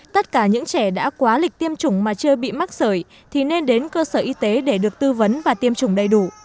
tất cả những trẻ đã quá lịch tiêm chủng mà chưa bị mắc sởi thì nên đến cơ sở y tế để được tư vấn và tiêm chủng đầy đủ